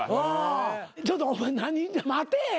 ちょっとお前何待てえ。